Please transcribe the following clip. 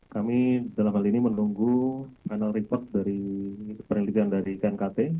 kami dalam hal ini menunggu panel report dari perhubungan dari gkt